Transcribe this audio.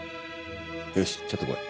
よしちょっと来い。